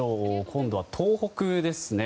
今度は東北ですね。